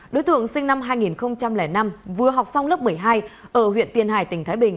đối tượng sinh năm hai nghìn năm vừa học xong lớp một mươi hai ở huyện tiền hải tỉnh thái bình